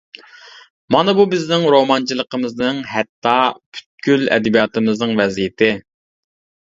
مانا بۇ بىزنىڭ رومانچىلىقىمىزنىڭ، ھەتتا پۈتكۈل ئەدەبىياتىمىزنىڭ ۋەزىيىتى!